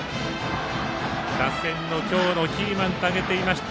打線の今日のキーマンと挙げていました。